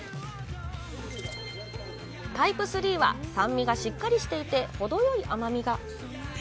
タイプ３は、酸味がしっかりしていて、ほどよい甘みが。